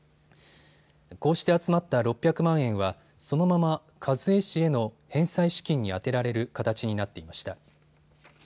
こうして集まった６００万円はそのまま一衛氏への返済資金に充てられる形になっていました。